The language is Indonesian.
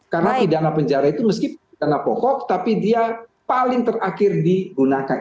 karena pidana penjara itu meskipun pidana pokok tapi dia paling terakhir digunakan